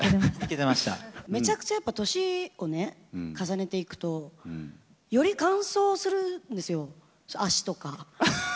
めちゃくちゃやっぱ年を重ねていくと、より乾燥するんですよ、足とか。